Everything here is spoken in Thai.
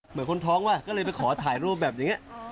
เหมือนคนท้องว่าก็เลยไปขอถ่ายรูปแบบอย่างนี้